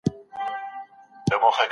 هیوادونه به د وګړو غوښتنو ته غوږ نیسي.